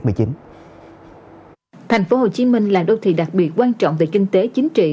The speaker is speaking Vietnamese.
thành phố hồ chí minh là đô thị đặc biệt quan trọng về kinh tế chính trị